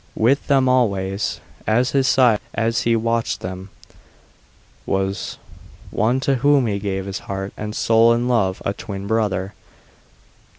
With him always, at his side as he watched them, was one to whom he gave his heart and soul in love a twin brother.